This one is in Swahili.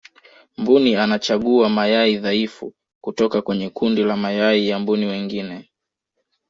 mbuni anachagua mayai dhaifu kutoka kwenye kundi la mayai ya mbuni wengine